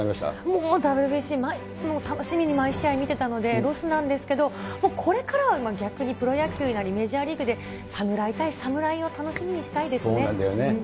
もうＷＢＣ、楽しみに毎試合見てたので、ロスなんですけど、もうこれからは逆にプロ野球なり、メジャーリーグで、侍対侍を楽しみにしたいそうなんだよね。